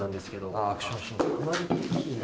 ああアクションシーンか。